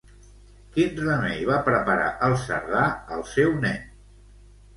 Quin remei va preparar el Cerdà al seu nen?